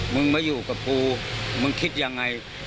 มึงมาอยู่กับกูมึงคิดยังไง